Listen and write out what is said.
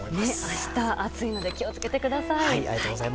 明日、暑いので気を付けてください。